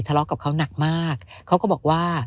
ทะเลาะกับเขาหนักมากเขาก็บอกว่า